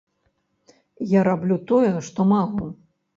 Я раблю тое, што магу.